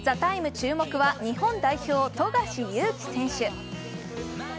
注目は日本代表、富樫勇樹選手。